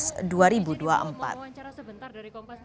sebentar dari kompas tv